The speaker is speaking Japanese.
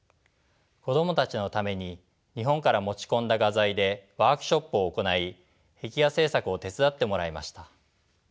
子供たちのために日本から持ち込んだ画材でワークショップを行い壁画制作を手伝ってもらいました。